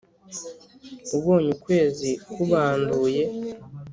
ubonye ukwezi kubanduye.